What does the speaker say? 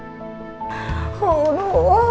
masih ada yang nunggu